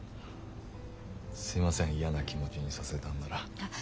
すいません嫌な気持ちにさせたんなら。